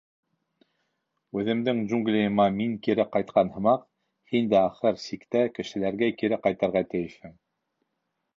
— Үҙемдең джунглийыма мин кире ҡайтҡан һымаҡ, һин дә ахыр сиктә кешеләргә кире ҡайтырға тейешһең.